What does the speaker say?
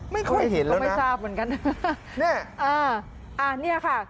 ไม่ค่อยเห็นแล้วนะนี่อ่านี่ค่ะ